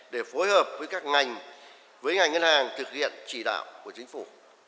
để phối hợp với các ngành với ngành ngân hàng thực hiện chỉ đạo của chính phủ